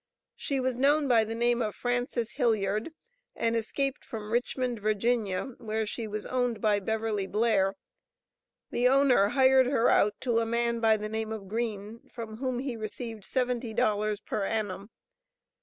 She was known by the name of Frances Hilliard, and escaped from Richmond, Va., where she was owned by Beverly Blair. The owner hired her out to a man by the name of Green, from whom he received seventy dollars per annum.